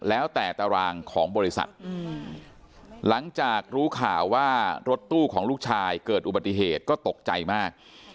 แล้วแต่ตารางของบริษัทหลังจากรู้ข่าวว่ารถตู้ของลูกชายเกิดอุบัติเหตุก็ตกใจมาก